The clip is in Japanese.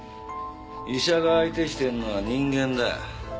医者が相手してんのは人間だ。